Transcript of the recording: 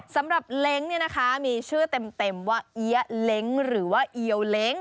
สำหรับเล็งเนี่ยนะคะมีชื่อเต็มว่าเอี้ยเล็งหรือว่าเอียวเล็ง